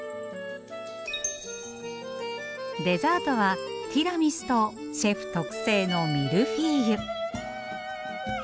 デザートはティラミスとシェフ特製のミルフィーユ。